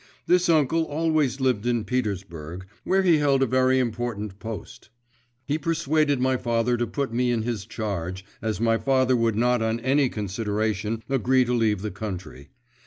This uncle always lived in Petersburg, where he held a very important post. He persuaded my father to put me in his charge, as my father would not on any consideration agree to leave the country.